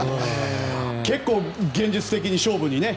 結構、現実的に勝負にね。